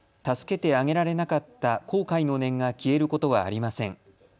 助けてあげられなかった後悔の念が消えることはありません。